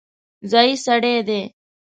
ځايي سړی دی.